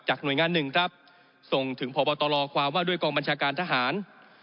หน่วยงานหนึ่งครับส่งถึงพบตรความว่าด้วยกองบัญชาการทหาร